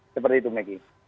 seperti itu megi